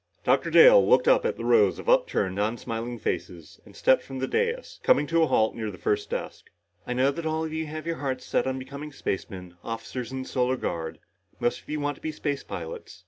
Dr. Dale looked up at the rows of upturned, unsmiling faces and stepped from the dais, coming to a halt near the first desk. "I know that all of you here have your hearts set on becoming spacemen, officers in the Solar Guard. Most of you want to be space pilots.